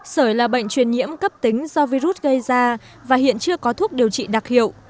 sởi là bệnh truyền nhiễm cấp tính do virus gây ra và hiện chưa có thuốc điều trị đặc hiệu